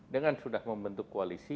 dengan sudah membentuk koalisi